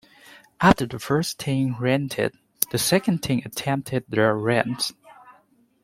After the first team Ranted, the second team attempted their Rant.